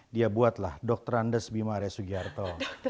dia buatlah dokterandes bima arya sugiarto